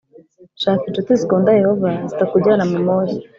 Shaka incuti zikunda Yehova zitakujyana mumoshya